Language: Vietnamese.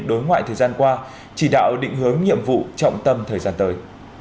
đối ngoại thời gian qua chỉ đạo định hướng nhiệm vụ trọng tâm thời gian tới